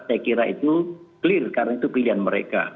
saya kira itu clear karena itu pilihan mereka